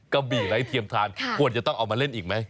กะบี่ไร้เทียมทานควรจะต้องเอามาเล่นอีกไหม